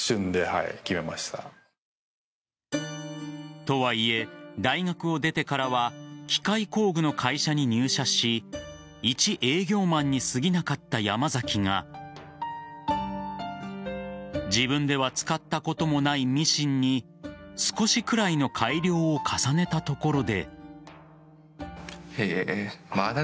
とはいえ大学を出てからは機械工具の会社に入社しいち営業マンにすぎなかった山崎が自分では使ったこともないミシンに少しくらいの改良を重ねたところで。